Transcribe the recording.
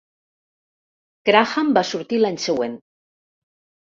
Graham va sortir l'any següent.